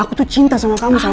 aku tuh cinta sama kamu